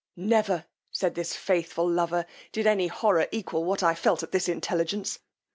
Never, said this faithful lover, did any horror equal what I felt at this intelligence!